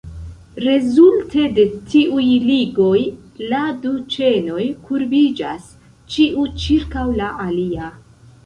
Rezulte de tiuj ligoj, la du ĉenoj kurbiĝas, ĉiu ĉirkaŭ la alia.